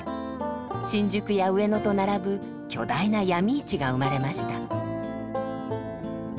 新宿や上野と並ぶ巨大な闇市が生まれました。